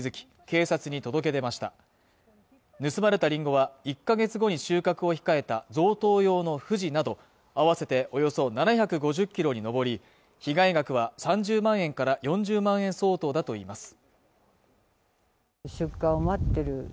警察に届け出ました盗まれたリンゴは１か月後に収穫を控えた贈答用のふじなど合わせておよそ７５０ｋｇに上り被害額は３０万円から４０万円相当だといいます